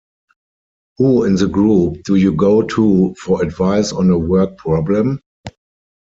Who in the group do you go to for advice on a work problem?